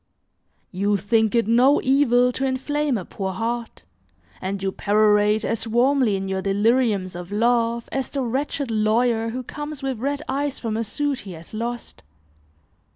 You think it no evil to inflame a poor heart, and you perorate as warmly in your deliriums of love as the wretched lawyer who comes with red eyes from a suit he has lost.